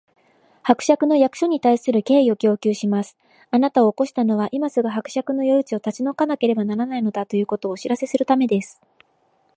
「伯爵の役所に対する敬意を要求します！あなたを起こしたのは、今すぐ伯爵の領地を立ち退かなければならないのだ、ということをお知らせするためです」